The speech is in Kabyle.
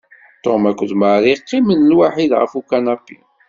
Tom akked Mary qqimen lwaḥid ɣef ukanapi.